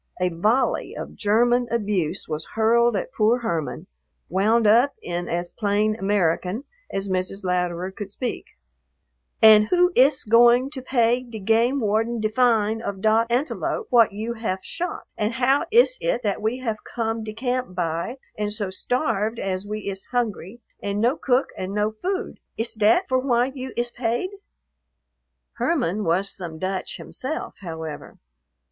A volley of German abuse was hurled at poor Herman, wound up in as plain American as Mrs. Louderer could speak: "And who iss going to pay de game warden de fine of dot antelope what you haf shot? And how iss it that we haf come de camp by und so starved as we iss hungry, and no cook und no food? Iss dat for why you iss paid?" Herman was some Dutch himself, however.